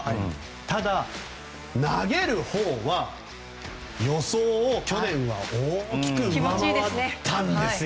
ただ、投げるほうは予想を去年は大きく上回ったんですよ。